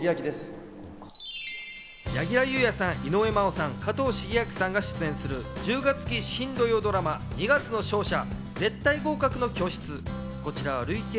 柳楽優弥さん、井上真央さん、加藤シゲアキさんが出演する１０月期新土曜ドラマ『二月の勝者ー